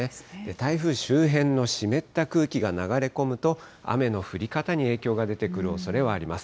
台風周辺の湿った空気が流れ込むと、雨の降り方に影響が出てくるおそれはあります。